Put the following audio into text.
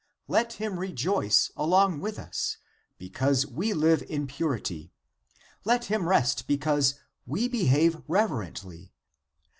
Let him rejoice along with us, because we live in purity; let him rest because we behave rev erently.